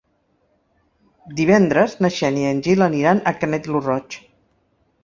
Divendres na Xènia i en Gil aniran a Canet lo Roig.